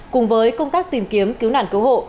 cùng với công tác tìm kiếm cứu nạn cứu hộ